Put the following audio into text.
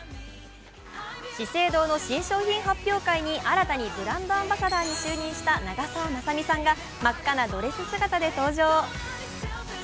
資生堂の新商品発表会に新たにブランドアンバサダーに就任した長澤まさみさんが真っ赤なドレス姿で登場。